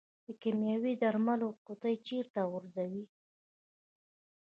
د کیمیاوي درملو قطۍ چیرته غورځوئ؟